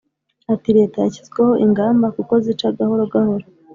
Ati “ Leta yashyizweho ingamba kuko zica gahoro gahoro